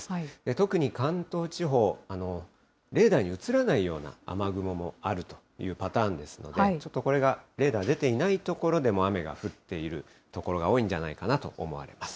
特に関東地方、レーダーに写らないような雨雲もあるというパターンですので、ちょっとこれが、レーダー出ていない所でも、雨が降っている所が多いんじゃないかなと思われます。